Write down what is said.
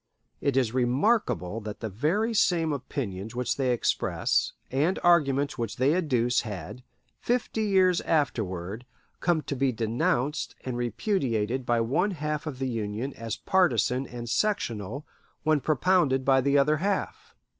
It is remarkable that the very same opinions which they express and arguments which they adduce had, fifty years afterward, come to be denounced and repudiated by one half of the Union as partisan and sectional when propounded by the other half.